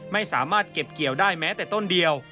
ไม่สามารถเก็บเกี่ยวได้แม้แต่ต้นเดียว